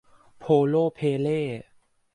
โพ่โล่เพ่เล่